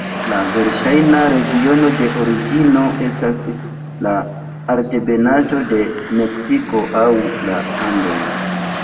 La verŝajna regiono de origino estas la altebenaĵo de Meksiko aŭ la Andoj.